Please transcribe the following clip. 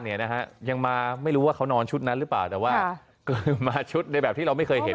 เนี่ยนะฮะยังมาไม่รู้ว่าเขานอนชุดนั้นหรือเปล่าแต่ว่าคือมาชุดในแบบที่เราไม่เคยเห็น